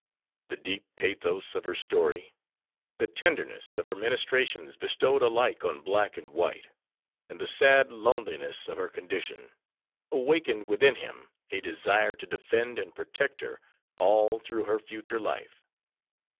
The deep pathos of her story, the tenderness of her ministrations, bestowed alike on black and white, and the sad loneliness of her condition, awakened within him a desire to defend and protect her all through her future life.